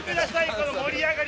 この盛り上がり。